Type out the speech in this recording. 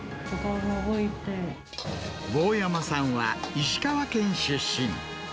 坊山さんは石川県出身。